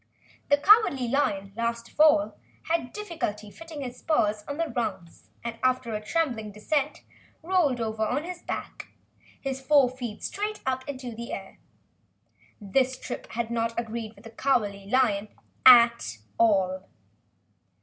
The Cowardly Lion, last of all, had difficulty fitting his paws on the rungs and, after a trembling descent, rolled over on his back, his four feet straight up in the air. The trip had not agreed with the Cowardly Lion at all.